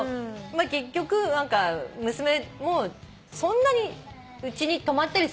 結局娘もそんなにうちに泊まったりすることも。